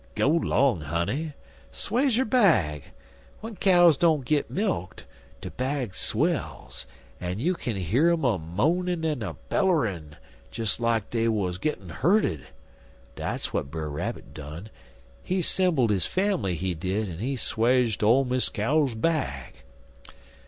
"Go long, honey! Swaje 'er bag. W'en cows don't git milk't, der bag swells, en you k'n hear um a moanin' en a beller'n des like dey wuz gittin' hurtid. Dat's w'at Brer Rabbit done. He 'sembled his fambly, he did, en he swaje ole Miss Cow's bag.